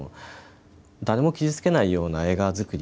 誰も傷つけないような映画作り